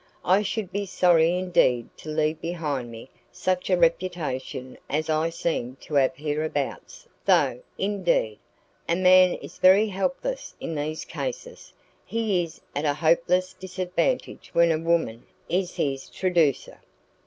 I should be sorry indeed to leave behind me such a reputation as I seem to have hereabouts though, indeed, a man is very helpless in these cases. He is at a hopeless disadvantage when a woman is his traducer.